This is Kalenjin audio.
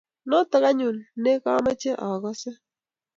Notok anyun ne kamache agase